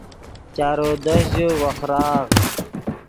چارو دست ژے وخراغ